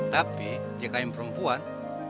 tapi jika yang perempuan